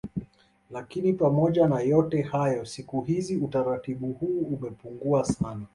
Lakini pamoja na yote hayo siku hizi utaratibu huu umepungua sana